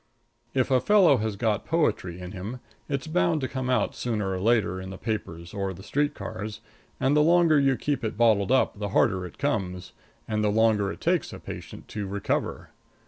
If a fellow has got poetry in him it's bound to come out sooner or later in the papers or the street cars; and the longer you keep it bottled up the harder it comes, and the longer it takes the patient to recover.